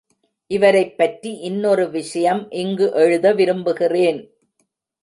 இவரைப்பற்றி இன்னொரு விஷயம் இங்கு எழுத விரும்புகிறேன்.